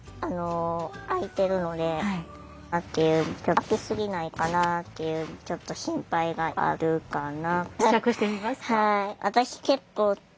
開き過ぎないかなっていうちょっと心配があるかな。